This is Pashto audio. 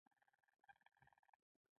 احمد دوی د علي شاګی شوي دي.